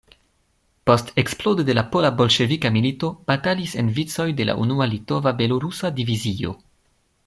Post eksplodo de la pola-bolŝevika milito batalis en vicoj de la unua Litova-Belorusa Divizio.